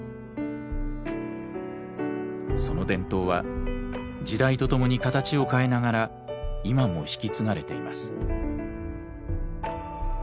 その伝統は時代とともに形を変えながら今も引き継がれています。